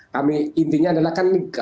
kami intinya adalah